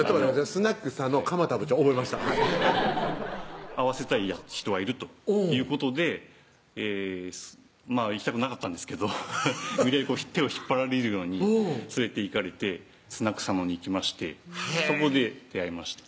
スナック佐の・鎌田部長覚えました「会わせたい人がいる」ということでまぁ行きたくなかったんですけど無理やり手を引っ張られるように連れて行かれてスナック佐のに行きましてそこで出会いました